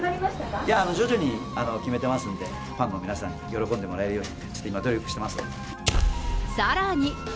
いや、徐々に決めてますんで、ファンの皆さんに喜んでもらえるように、ちょっと今、さらに。